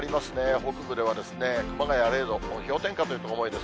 北部では熊谷０度、氷点下という所も多いです。